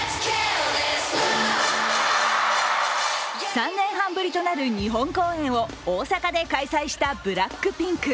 ３年半ぶりとなる日本公演を大阪で開催したＢＬＡＣＫＰＩＮＫ。